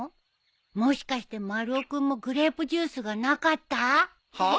もしかして丸尾君もグレープジュースがなかった？はあ？